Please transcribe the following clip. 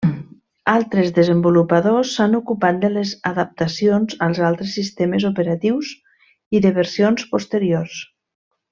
Altres desenvolupadors s'han ocupat de les adaptacions als altres sistemes operatius i de versions posteriors.